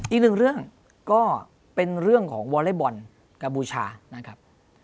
อีกหนึ่งเรื่องก็เป็นเรื่องของวอเล็กบอลกัมพูชานะครับ